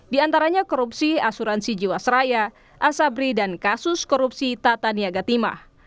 di antaranya korupsi asuransi jiwasraya asabri dan kasus korupsi tata niaga timah